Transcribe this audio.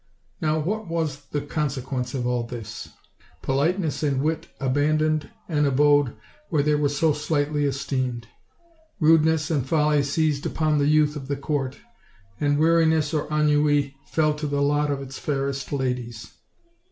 Now, what was the conse quence of all this? Politeness and wit abandoned an abode where they were so slightly esteemed; rudeness and folly seized upon the youth of the court; and weari ness or ennui fell to the lot of its fairest ladies.